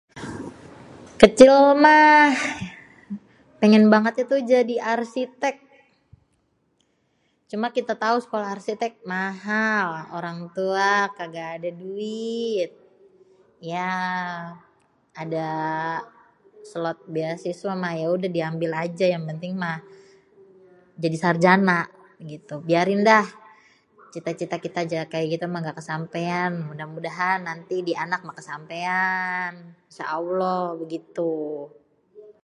Kecil mah péngén banget itu jadi arsitek. Cuma kita tau sekolah arsitek mahal. Orant tua kagak ada duit. Ya ada slot beasiswa mah ya udah diambil aja yang penting mah jadi sarjana gitu. Biarin dah cita-cita kita juga kayak gitu nggak késampéan. Mudah-mudahan di anak mah késampéan, insyaallah begitu.